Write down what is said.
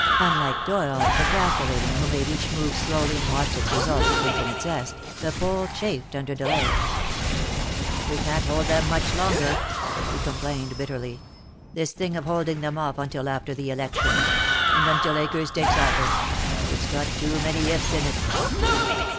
Unlike Doyle the calculating, who made each move slowly and watched its results with infinite zest, the Pole chafed under delay. "We can't hold them much longer," he complained, bitterly. "This thing of holding them off until after the election and until Akers takes office it's got too many ifs in it."